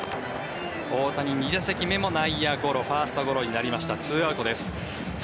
大谷、２打席目も内野ゴロファーストゴロになりました